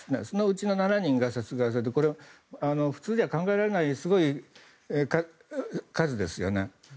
そのうちの７人が殺害されてこれは普通では考えられないすごい数ですよね。